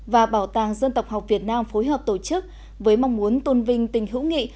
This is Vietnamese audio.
và bảo tàng dân tộc học việt nam phối hợp tổ chức với mong muốn tôn vinh tình hữu nghị